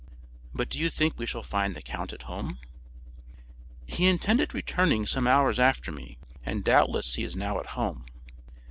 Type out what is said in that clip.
"But do you think we shall find the count at home?" "He intended returning some hours after me, and doubtless he is now at home."